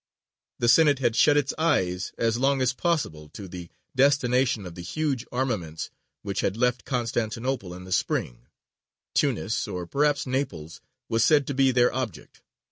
The Senate had shut its eyes as long as possible to the destination of the huge armaments which had left Constantinople in the spring: Tunis, or perhaps Naples, was said to be their object.